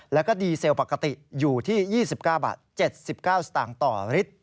แล้วก็ดีเซลปกติอยู่ที่๒๙บาท๗๙สตางค์ต่อลิตร